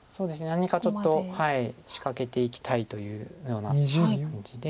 何かちょっと仕掛けていきたいというような感じで。